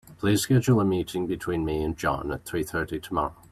Please schedule a meeting between me and John at three thirty tomorrow.